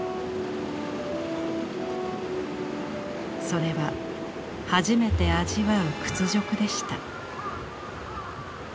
それは初めて味わう屈辱でした。